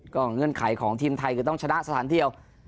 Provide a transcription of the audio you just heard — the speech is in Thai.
เงื่อนไขของทีมไทยคือต้องชนะสถานเดียว